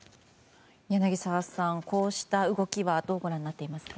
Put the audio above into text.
柳澤さん、こうした動きはどうご覧になっていますか？